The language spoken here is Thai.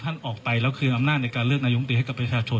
ทางคุณชัยธวัดก็บอกว่าการยื่นเรื่องแก้ไขมาตรวจสองเจน